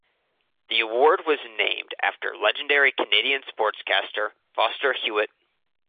The award was named after legendary Canadian sportscaster Foster Hewitt.